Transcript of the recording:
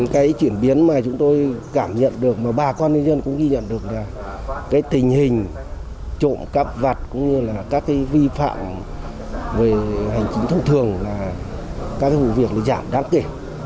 cái chuyển biến mà chúng tôi cảm nhận được mà bà con nhân dân cũng ghi nhận được là cái tình hình trộm cắp vặt cũng như là các cái vi phạm về hành chính thông thường là các cái vụ việc giảm đáng kể